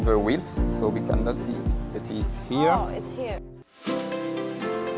jadi kita tidak bisa melihatnya di sini